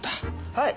はい。